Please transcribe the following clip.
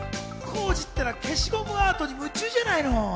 浩次ったら、消しゴムアートに夢中じゃないの。